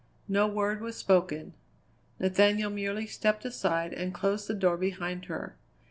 No word was spoken. Nathaniel merely stepped aside and closed the door behind her.